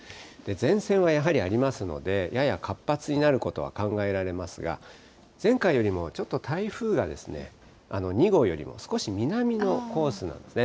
前線はやはりありますので、やや活発になることは考えられますが、前回よりもちょっと台風が２号よりも少し南のコースなんですね。